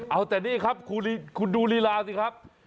เอาแต่นี่ครับคุณดูลีลาสิครับ